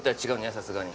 さすがに。